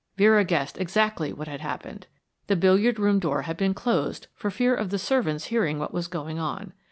Vera guessed exactly what had happened. The billiard room door had been closed for fear of the servants hearing what was going on.